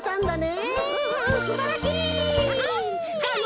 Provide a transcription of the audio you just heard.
すばらしい！